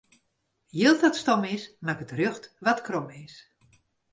Jild dat stom is, makket rjocht wat krom is.